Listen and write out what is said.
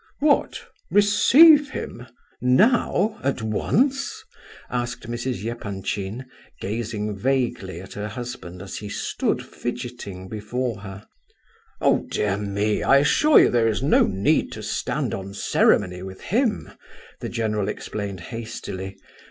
"What, receive him! Now, at once?" asked Mrs. Epanchin, gazing vaguely at her husband as he stood fidgeting before her. "Oh, dear me, I assure you there is no need to stand on ceremony with him," the general explained hastily.